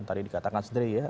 tadi dikatakan sendiri ya